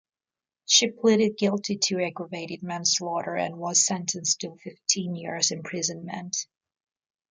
She pleaded guilty to aggravated manslaughter, and was sentenced to fifteen years' imprisonment.